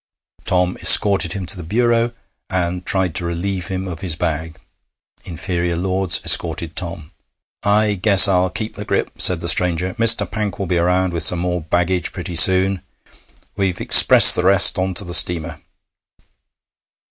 Tom escorted him to the bureau, and tried to relieve him of his bag. Inferior lords escorted Tom. 'I guess I'll keep the grip,' said the stranger. 'Mr. Pank will be around with some more baggage pretty soon. We've expressed the rest on to the steamer.